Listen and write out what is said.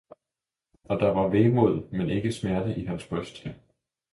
og der var vemod, men ikke smerte i hans bryst.